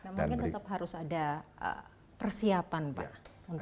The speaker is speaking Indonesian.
mungkin tetap harus ada persiapan pak